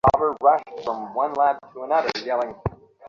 ও একটা পশু।